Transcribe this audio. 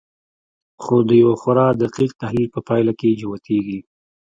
خو د یوه خورا دقیق تحلیل په پایله کې جوتېږي